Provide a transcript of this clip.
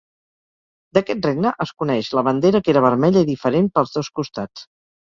D'aquest regne es coneix la bandera que era vermella i diferent pels dos costats.